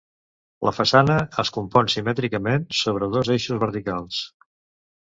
La façana es compon simètricament sobre dos eixos verticals.